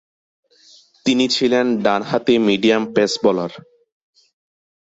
তিনি ছিলেন ডানহাতি মিডিয়াম পেস বোলার।